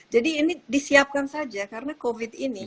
jadi ini disiapkan saja karena covid ini